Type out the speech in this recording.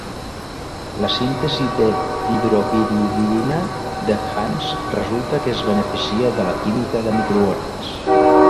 La síntesi de dihidropiridina de Hantzsch resulta que es beneficia de la química de microones.